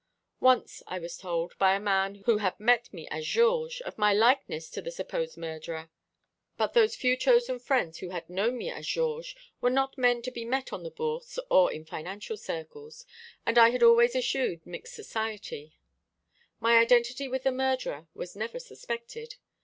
Once I was told, by a man who had met me as Georges, of my likeness to the supposed murderer; but those few chosen friends who had known me as Georges were not men to be met on the Bourse or in financial circles, and I had always eschewed mixed society. My identity with the murderer was never suspected.